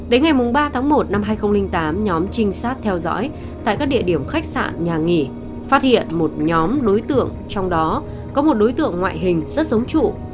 đến ngày ba tháng một năm hai nghìn tám nhóm trinh sát theo dõi tại các địa điểm khách sạn nhà nghỉ phát hiện một nhóm đối tượng trong đó có một đối tượng ngoại hình rất giống trụ